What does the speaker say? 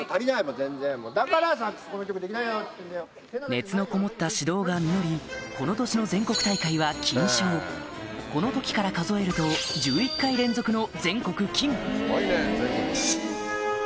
熱のこもった指導が実りこの年の全国大会はこの時から数えると１１回連続の全国金